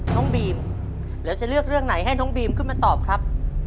น้องบีมแล้วจะเลือกเรื่องไหนให้น้องบีมขึ้นมาตอบครับ